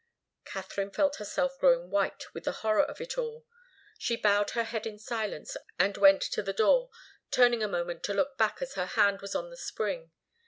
Katharine felt herself growing white with the horror of it all. She bowed her head in silence and went to the door, turning a moment to look back as her hand was on the spring.